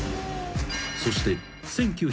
［そして］